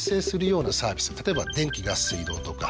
例えば電気ガス水道とか家賃とか。